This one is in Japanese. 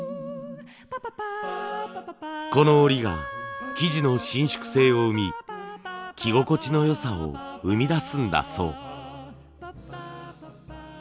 この織りが生地の伸縮性を生み着心地の良さを生み出すんだそう。